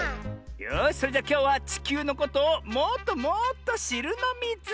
よしそれじゃきょうはちきゅうのことをもっともっとしるのミズ！